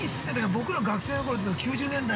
僕らの学生の頃でいうと９０年代。